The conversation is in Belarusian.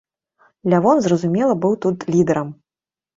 Лявон, зразумела, быў тут лідэрам.